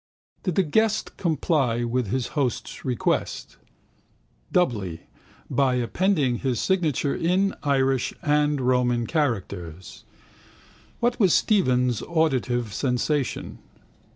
Did the guest comply with his host's request? Doubly, by appending his signature in Irish and Roman characters. What was Stephen's auditive sensation?